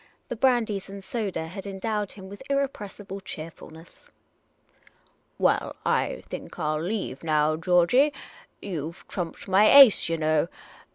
The brandies and soda had endowed him with irrepressible cheerfulness. " Well, I think I '11 leave now, Georgey. You 've trumped my ace, yah know.